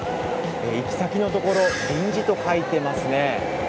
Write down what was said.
行き先のところ、「臨時」と書いていますね。